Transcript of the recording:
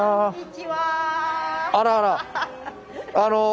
あらあら。